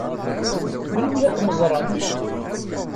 Melmi ad kem-ẓṛen?